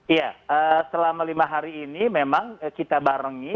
iya selama lima hari ini memang kita barengi